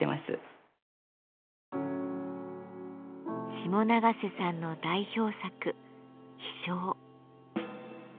下永瀬さんの代表作「飛翔」。